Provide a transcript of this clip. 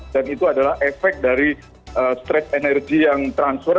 dan itu adalah efek dari stress energi yang transfer